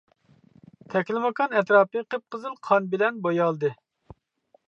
تەكلىماكان ئەتراپى قىپقىزىل قان بىلەن بويالدى.